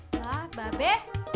lah ba be